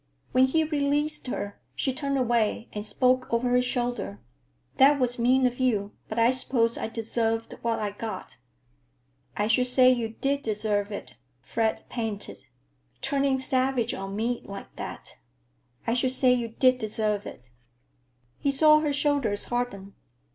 When he released her, she turned away and spoke over her shoulder. "That was mean of you, but I suppose I deserved what I got." "I should say you did deserve it," Fred panted, "turning savage on me like that! I should say you did deserve it!" He saw her shoulders harden.